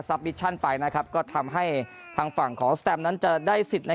บิชชั่นไปนะครับก็ทำให้ทางฝั่งของสแตมนั้นจะได้สิทธิ์